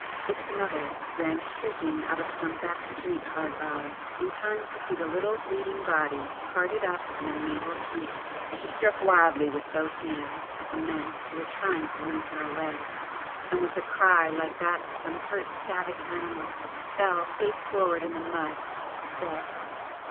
Its mother ran shrieking out of some back street hard by, in time to see the little bleeding body carted up in a mangled heap. She struck wildly with both hands at the men who were trying to lead her away, and with a cry like that of some hurt savage animal fell face forward in the mud—dead.